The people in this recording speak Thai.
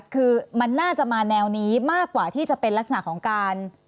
คือมันน่าจะมาแนวนี้มากกว่าที่จะเป็นลักษณะของการ